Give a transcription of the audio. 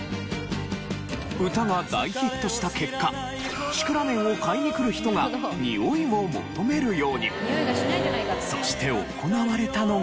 歌が大ヒットした結果シクラメンを買いに来る人がそして行われたのが。